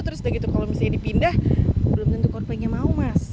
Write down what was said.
terus kalau misalnya dipindah belum tentu coldplay nya mau mas